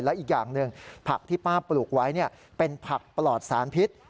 และอีกอย่างหนึ่งผักที่ป้าปลูกไว้เป็นผักปลอดสารพิษ